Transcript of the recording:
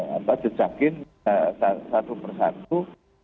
kita jejakin satu persatu